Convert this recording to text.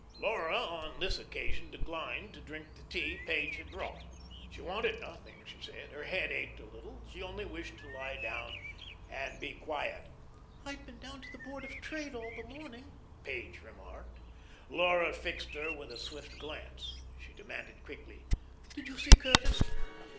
Laura on this occasion declined to drink the tea Page had brought. She wanted nothing, she said; her head ached a little, she only wished to lie down and be quiet. "I've been down to the Board of Trade all the morning," Page remarked. Laura fixed her with a swift glance; she demanded quickly: "Did you see Curtis?"